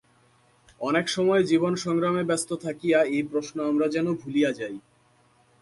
অনেক সময় জীবন-সংগ্রামে ব্যস্ত থাকিয়া এই প্রশ্ন আমরা যেন ভুলিয়া যাই।